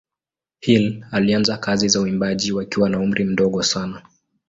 Hill alianza kazi za uimbaji wakiwa na umri mdogo sana.